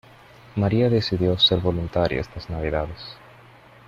Maria decidió ser voluntaria estas navidades.